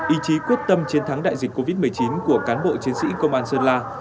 ý chí quyết tâm chiến thắng đại dịch covid một mươi chín của cán bộ chiến sĩ công an sơn la